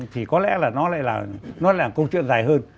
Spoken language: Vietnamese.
thì có lẽ là nó lại là một câu chuyện dài hơn